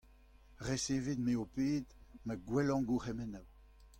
resevit me ho ped ma gwellañ gourc'hemennoù.